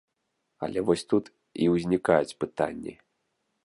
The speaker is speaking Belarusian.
Але вось тут і ўзнікаюць пытанні.